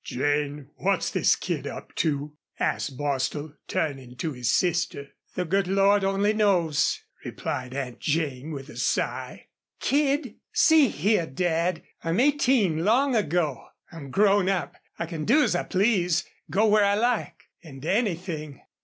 "Jane, what's this kid up to?" asked Bostil, turning to his sister. "The good Lord only knows!" replied Aunt Jane, with a sigh. "Kid? ... See here, Dad, I'm eighteen long ago. I'm grown up. I can do as I please, go where I like, and anything....